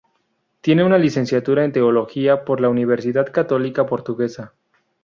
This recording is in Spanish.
Tiene una licenciatura en teología por la Universidad Católica Portuguesa.